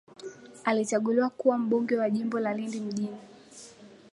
alichanguliwa kuwa mbunge wa jimbo la lindi mjini